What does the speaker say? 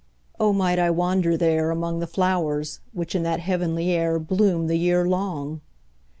O might I wander there, Among the flowers, which in that heavenly air 5 Bloom the year long!